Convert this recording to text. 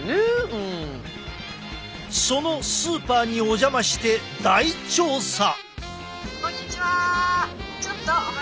そのスーパーにお邪魔して大調査！